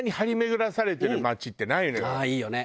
ああいいよね！